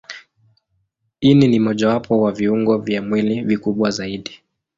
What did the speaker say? Ini ni mojawapo wa viungo vya mwili vikubwa zaidi.